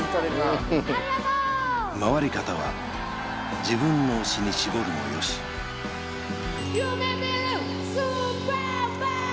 回り方は自分の推しに絞るもよし「夢見るスーパーマン」